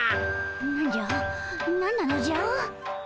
何じゃ何なのじゃ？